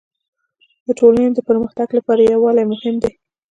د ټولني د پرمختګ لپاره يووالی مهم دی.